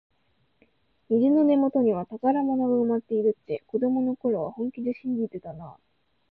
虹の根元には宝物が埋まっているって、子どもの頃は本気で信じてたなあ。